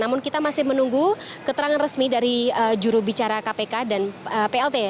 namun kita masih menunggu keterangan resmi dari jurubicara kpk dan plt